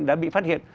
đã bị phát hiện